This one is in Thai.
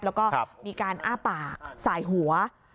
แล้วก็มีการอ้าปากสายหัว